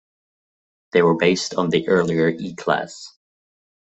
They were based on the earlier E Class.